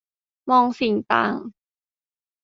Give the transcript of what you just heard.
มองสิ่งต่าง